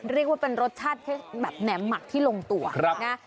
เรียกว่าเป็นรสชาติแบบแหนมหมักที่ลงตัวนะ